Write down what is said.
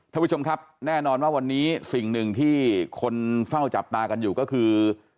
ท่านผู้ชมครับแน่นอนว่าวันนี้สิ่งหนึ่งที่คนเฝ้าจับตากันอยู่ก็คือ